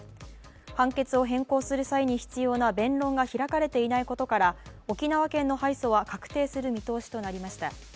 判決を変更する際に必要な弁論が開かれていないことから、沖縄県の敗訴は確定する見通しとなりました。